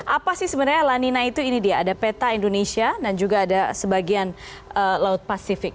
apa sih sebenarnya lanina itu ini dia ada peta indonesia dan juga ada sebagian laut pasifik